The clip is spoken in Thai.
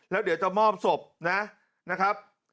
แล้วเดี๋ยวจะมอบศพนะครับ